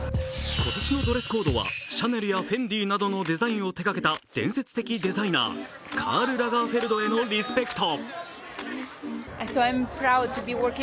今年のドレスコードはシャネルやフェンディなどのデザインを手掛けた伝説的デザイナー、カール・ラガーフェルドへのリスペクト。